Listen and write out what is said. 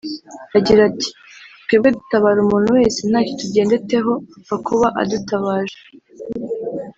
Agira ati " Twebwe dutabara umuntu wese ntacyo tugendeteho apfa kuba adutabaje